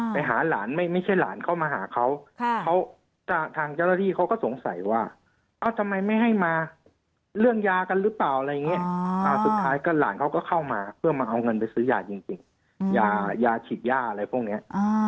ไปหาหลานไม่ใช่หลานเข้ามาหาเขาเขาทางเจ้าหน้าที่เขาก็สงสัยว่าเอ้าทำไมไม่ให้มาเรื่องยากันหรือเปล่าอะไรอย่างนี้สุดท้ายก็หลานเขาก็เข้ามาเพื่อมาเอาเงินไปซื้อยาจริงยาฉีดยาอะไรพวกนี้